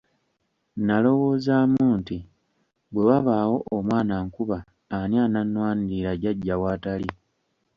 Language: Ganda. Nalowoozaamu nti bwe wabaawo omwana ankuba ani anannwanirira jjajja w'atali?